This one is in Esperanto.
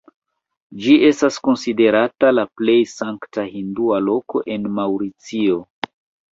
Ĝi estas konsiderata la plej sankta hindua loko en Maŭricio.